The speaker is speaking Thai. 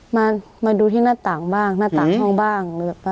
มาดูที่หน้าต่างบ้างหน้าต่างห้องบ้าง